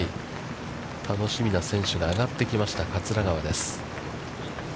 楽しみな選手が上がってきました、桂川です。